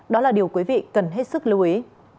đó là điều quý vị cần hết sức lưu ý